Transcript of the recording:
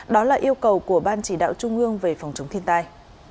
đó là yêu cầu của ban chỉ đạo trung ương về phòng chống thiên tai